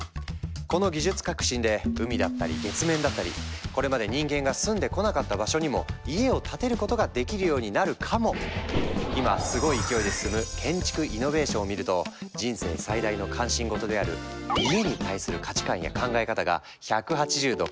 この技術革新で海だったり月面だったりこれまで人間が住んでこなかった場所にも家を建てることができるようになるかも⁉今すごい勢いで進む建築イノベーションを見ると人生最大の関心事である「家」に対する価値観や考え方が１８０度変わっちゃう！